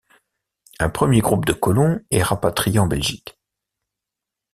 Un premier groupe de colons est rapatrié en Belgique.